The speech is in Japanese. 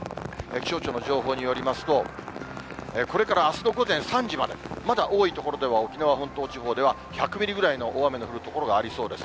気象庁の情報によりますと、これからあすの午前３時まで、まだ多い所では沖縄本島地方では１００ミリぐらいの大雨の降る所がありそうです。